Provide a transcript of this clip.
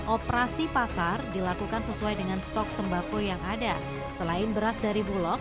operasi pasar dilakukan sesuai dengan stok sembako yang ada selain beras dari bulog